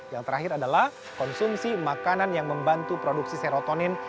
yang terakhir adalah konsumsi makanan yang membantu produksi serotonin